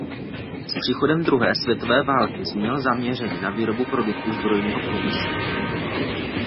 S příchodem druhé světové války změnil zaměření na výrobu produktů zbrojního průmyslu.